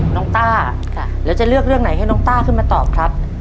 ต้าแล้วจะเลือกเรื่องไหนให้น้องต้าขึ้นมาตอบครับ